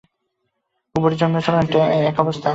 উভয়েরই জন্ম হইয়াছিল অনেকটা এক অবস্থায়।